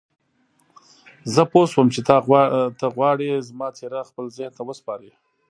زه پوه شوم چې ته غواړې زما څېره خپل ذهن ته وسپارې.